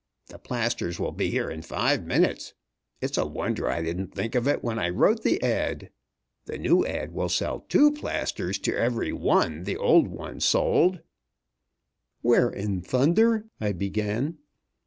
The plasters will be here in five minutes. It's a wonder I didn't think of it when I wrote the ad. The new ad. will sell two plasters to every one the old one sold." "Where in thunder " I began.